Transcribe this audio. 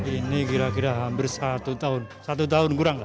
ini kira kira hampir satu tahun satu tahun kurang lah